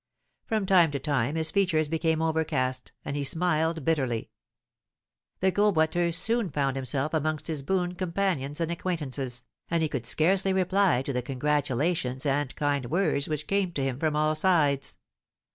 From time to time his features became overcast, and he smiled bitterly. The Gros Boiteux soon found himself amongst his boon companions and acquaintances, and he could scarcely reply to the congratulations and kind words which came to him from all sides.